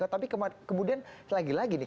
tapi kemudian lagi lagi nih